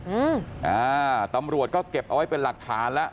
อืมอ่าตำรวจก็เก็บเอาไว้เป็นหลักฐานแล้ว